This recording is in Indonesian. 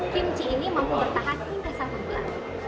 kimchi ini mampu bertahan hingga sebulan